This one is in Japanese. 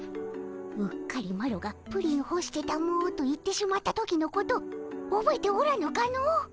うっかりマロがプリンほしてたもと言ってしまった時のことおぼえておらぬかの。